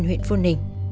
huyện phô nình